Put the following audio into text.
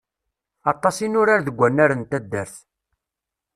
Aṭas i nurar deg wannar n taddart.